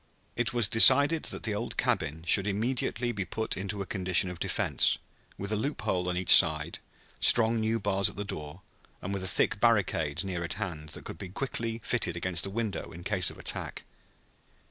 It was decided that the old cabin should immediately be put into a condition of defense, with a loophole on each side, strong new bars at the door, and with a thick barricade near at hand that could be quickly fitted against the window in case of attack.